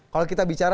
kalau kita bicara